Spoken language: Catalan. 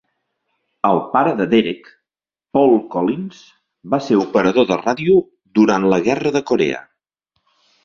El pare de Derek, Paul Collins, va ser operador de ràdio durant la guerra de Corea.